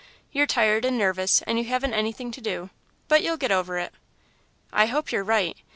You're tired and nervous, and you haven't anything to do, but you'll get over it." "I hope you're right.